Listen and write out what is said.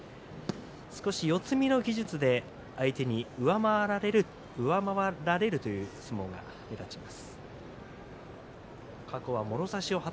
少し四つ身の技術で相手に上回られるという相撲が目立ちます。